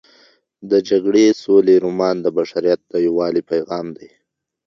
د جګړې او سولې رومان د بشریت د یووالي پیغام دی.